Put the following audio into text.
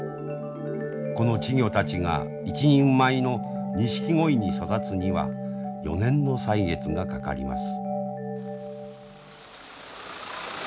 この稚魚たちが一人前のニシキゴイに育つには４年の歳月がかかります。